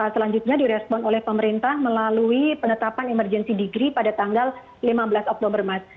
selanjutnya direspon oleh pemerintah melalui penetapan emergency degree pada tanggal lima belas oktober mas